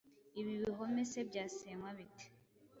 Ibi bihome se byasenywa bite?